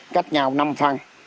cách nhau năm phân